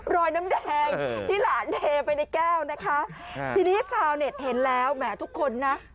รอยน้ำแดงที่หลานเทไปในแก้วนะคะทีนี้ชาวเน็ตเห็นแล้วแหมทุกคนนะ